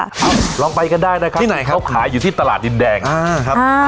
ลองไปกันได้นะครับที่ไหนครับเขาขายอยู่ที่ตลาดดินแดงอ่าครับ